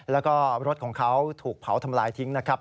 แล้วก็รถของเขาถูกเผาทำลายทิ้งนะครับ